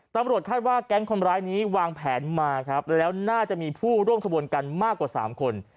ตำรวจคาดว่าแก๊งคนร้ายนี้วางแผนมาครับแล้วน่าจะมีผู้ร่วมขบวนกันมากกว่า๓คน